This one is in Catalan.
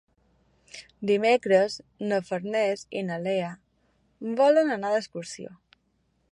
Dimecres na Farners i na Lea volen anar d'excursió.